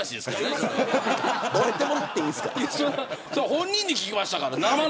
本人に聞きましたから。